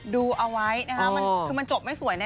ดูเอาไว้นะคะคือมันจบไม่สวยแน